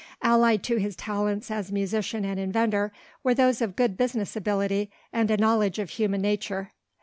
Allied to his talents as musician and inventor were those of good business ability and a knowledge of human nature.